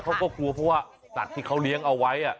เขาก็กลัวเพราะว่าสัตว์ที่เขาเลี้ยงเอาไว้